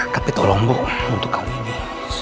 tapi tolong bu untuk kamu ini